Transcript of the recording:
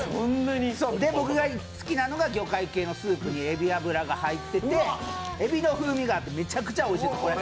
僕が好きなのが魚介系のスープにえび油が入ってて、えびの風味がめちゃくちゃおいしい。